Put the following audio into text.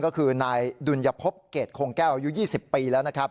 ก็คือนายดุลยภพเกรดโคงแก้วอยู่๒๐ปีแล้ว